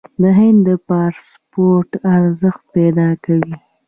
د هند پاسپورت ارزښت پیدا کوي.